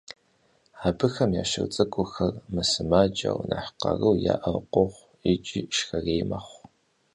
Абыхэм я шыр цӀыкӀухэр мысымаджэу, нэхъ къару яӀэу къохъу икӀи шхэрей мэхъу.